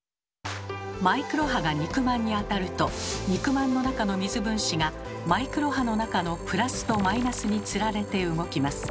マイクロ波が肉まんに当たると肉まんの中の水分子がマイクロ波の中のプラスとマイナスにつられて動きます。